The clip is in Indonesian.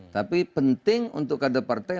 tapi penting untuk kader partai